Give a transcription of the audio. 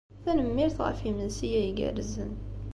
Tanemmirt ɣef yimensi-a igerrzen.